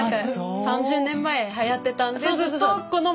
３０年前はやってたんでずっとこのまま。